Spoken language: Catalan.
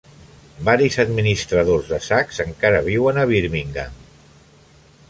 Varis administradors de Saks encara viuen a Birmingham.